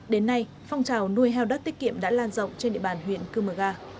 đến nay phong trào nuôi heo đất tiết kiệm đã lan rộng trên địa bàn huyện cư mờ ga